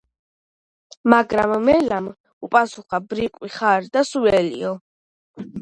მაგრამ მელამ უპასუხა ბრიყვი ხარ და სულელიო